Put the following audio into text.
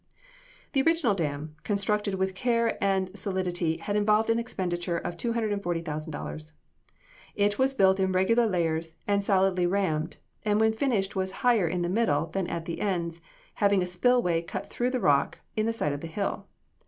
The original dam, constructed with care and solidity, had involved an expenditure of $240,000. It was built in regular layers and solidly rammed, and when finished was higher in the middle than at the ends, having a spill way cut through rock in the side of the hill.